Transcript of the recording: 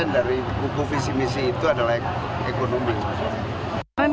dari buku visi misi itu adalah ekonomi